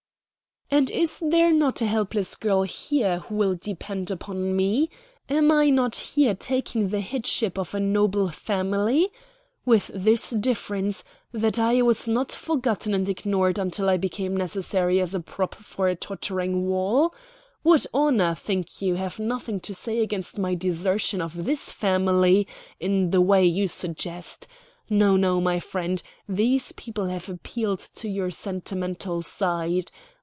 "And is there not a helpless girl here who will be dependent upon me? Am I not here taking the headship of a noble family? With this difference that here I was not forgotten and ignored until I became necessary as a prop for a tottering wall. Would honor, think you, have nothing to say against my desertion of this family in the way you suggest? No, no, my friend; these people have appealed to your sentimental side.